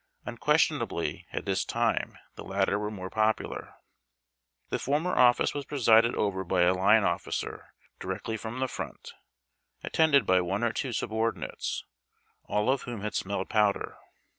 Unques tionably, at this time the latter were more popular. The former office was presided over by a line officer di rectly from the front, attended by one or two subordinates, all of whom had smelled powder.